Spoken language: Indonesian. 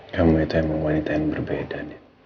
kamu itu emang wanita yang berbeda